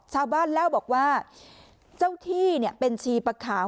ชาวบ้านเล่าบอกว่าเจ้าที่เป็นชีปะขาว